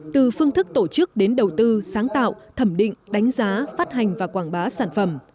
từ phương thức tổ chức đến đầu tư sáng tạo thẩm định đánh giá phát hành và quảng bá sản phẩm